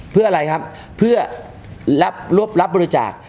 เพื่ออะไรครับเพื่อรับบริจาค